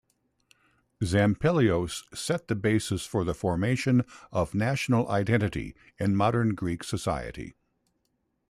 Zampelios set the basis for the formation of national identity in modern Greek society.